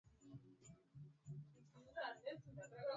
tulicheza tusione kama hii mechi yazidi ko